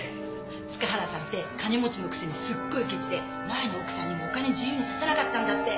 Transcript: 塚原さんて金持ちのくせにすっごいケチで前の奥さんにもお金自由にさせなかったんだって。